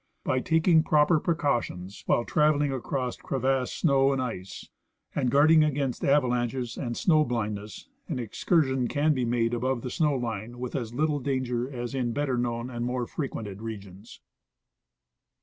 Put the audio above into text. By taking proper precautions while traveling across crevassed snow and ice, and guarding against avalanches and snow blind ness, an excursion can be made above the snow line Avith as little danger as in better known and more frequented regions.